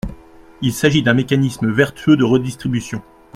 Il s’agit d’un mécanisme vertueux de redistribution.